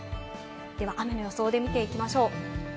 では雨の予想を見ていきましょう。